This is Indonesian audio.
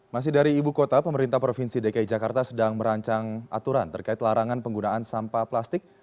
masih dari ibu kota pemerintah provinsi dki jakarta sedang merancang aturan terkait larangan penggunaan sampah plastik